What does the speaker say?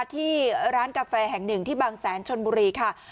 ที่ร้านกาแฟแห่งหนึ่งที่บางแสนชนบุรีค่ะ